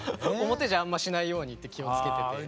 表じゃあんましないようにって気をつけてて。